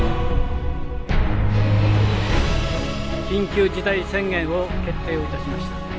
緊急事態宣言を決定をいたしました。